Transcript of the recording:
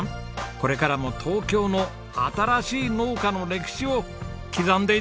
これからも東京の新しい農家の歴史を刻んでいってください。